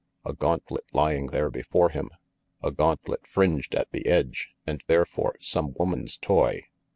A gauntlet lying there before him! A gauntlet fringed at the edge, and therefore some woman's toy!